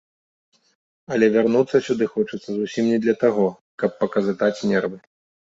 Але вярнуцца сюды хочацца зусім не для таго, каб паказытаць нервы.